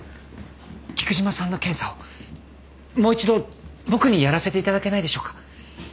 菊島さんの検査をもう一度僕にやらせていただけないでしょうか？